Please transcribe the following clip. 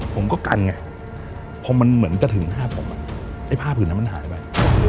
ผมก็กันไงพอเหมือนมันจะถึงท่าผมผ้าผื่นนั้นหายไป